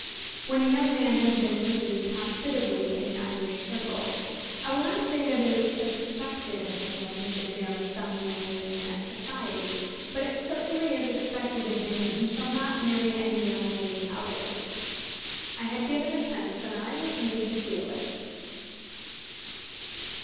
When a young man has been received hospitably in an Irish circle, I will not say that it is expected of him that he should marry some young lady in that society; but it certainly is expected of him that he shall not marry any young lady out of it. I had given offence, and I was made to feel it.